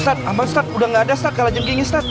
ustadz amat ustadz udah gak ada ustadz halajeng king ya ustadz